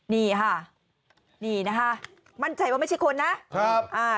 นี่ค่ะมั่นใจว่าไม่ใช่คนนะ